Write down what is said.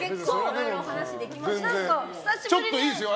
ちょっといいですよ。